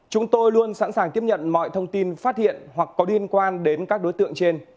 chúng tôi luôn sẵn sàng tiếp nhận mọi thông tin phát hiện hoặc có liên quan đến các đối tượng trên